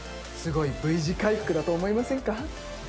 すごいＶ字回復だと思いませんか？